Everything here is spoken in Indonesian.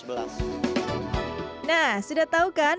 perbicaraan dari sinar garut